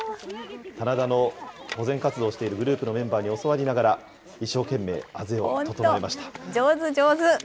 棚田の保全活動をしているグループのメンバーに教わりながら、一本当、上手、上手。